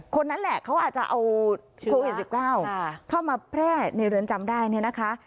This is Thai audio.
คนนั้นแหละเขาอาจจะเอาโควิด๑๙เข้ามาแพร่ในเรือนจำได้เนี่ยนะคะ